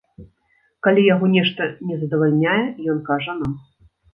Калі яго нешта не задавальняе ён кажа нам.